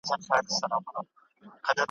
په بېغمه یې د تور دانې خوړلې `